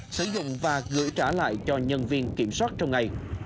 sử dụng và gửi trả lại cho nhân viên kiểm soát trong ngày